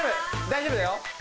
大丈夫だよ。